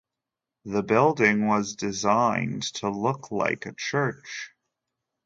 The building was designed to look like a church.